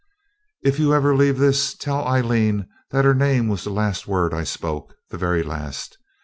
'If you ever leave this, tell Aileen that her name was the last word I spoke the very last.